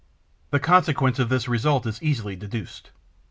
The consequence of this result is easily deduced.